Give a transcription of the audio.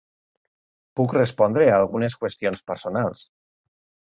Puc respondre a algunes qüestions personals.